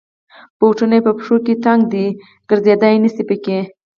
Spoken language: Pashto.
بوټونه یې په پښو کې تنګ دی. ګرځېدای نشی پکې.